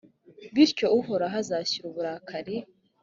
bityo uhoraho azashira uburakari,